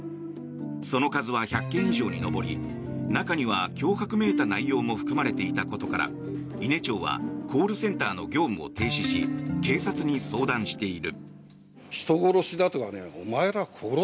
その数は１００件以上に上り中には脅迫めいた内容も含まれていたことから伊根町はコールセンターの業務を停止し警察に相談している。